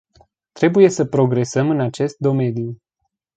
Trebuie să progresăm în acest domeniu.